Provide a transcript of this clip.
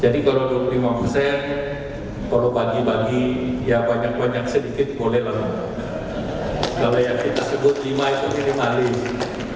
jadi kalau dua puluh lima persen kalau bagi bagi ya banyak banyak sedikit boleh lah